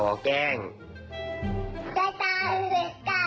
สุดท้ายของพ่อต้องรักมากกว่านี้ครับ